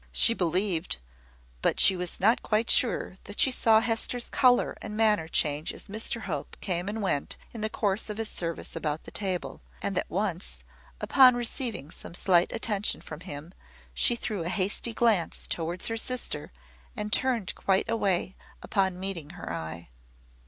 She believed, but was not quite sure, that she saw Hester's colour and manner change as Mr Hope came and went, in the course of his service about the table; and that once, upon receiving some slight attention from him, she threw a hasty glance towards her sister, and turned quite away upon meeting her eye.